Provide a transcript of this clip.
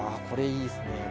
ここいいですね。